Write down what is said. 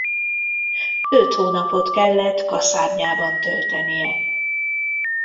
Öt hónapot kellett kaszárnyában töltenie.